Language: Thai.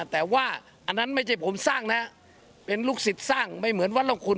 แต่ว่าอันนั้นไม่ใช่ผมสร้างนะเป็นลูกศิษย์สร้างไม่เหมือนวัดร่องคุณ